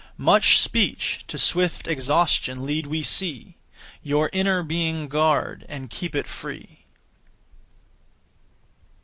Much speech to swift exhaustion lead we see; Your inner being guard, and keep it free.